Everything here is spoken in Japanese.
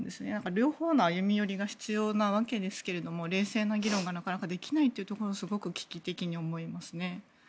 両方の歩み寄りが必要なわけですが冷静な議論がなかなかできないところがすごく危機的に思います。